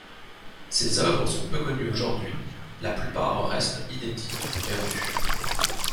Ses œuvres sont peu connues aujourd’hui, la plupart restent inédites ou perdues.